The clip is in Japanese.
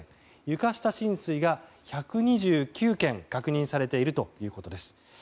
床下浸水が１２９軒確認されているということです。